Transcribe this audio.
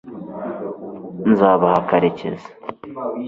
nzabaha karekezi